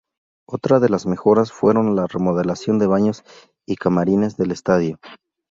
Otra de las mejoras fueron la remodelación de baños y camarines del Estadio.